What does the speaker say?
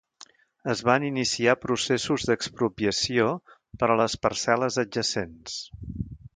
Es van iniciar processos d'expropiació per a les parcel·les adjacents.